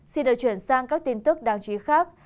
xin được chuyển sang các tin tức đáng chú ý khác